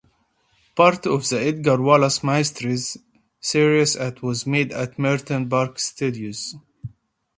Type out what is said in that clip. Part of the "Edgar Wallace Mysteries" series it was made at Merton Park Studios.